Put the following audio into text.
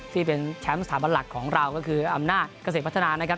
ที่เป็นแชมป์สถาบันหลักของเราก็คืออำนาจเกษตรพัฒนานะครับ